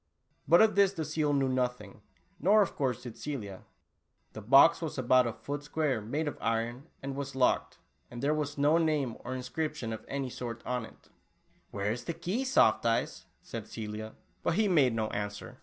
But of this the seal knew nothing, nor, of course, did Celia. The box was about a foot square, made of iron, and was locked, and there was no name or inscription of any sort on it. Where is the key, Soft Eyes?" said Celia, but he made no answer.